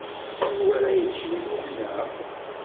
Anwa ara yeččen yid-neɣ?